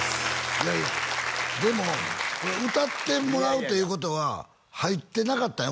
いやいやでも歌ってもらうということは入ってなかったんよ